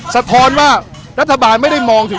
สะท้อนว่ารัฐบาลไม่ได้มองถึง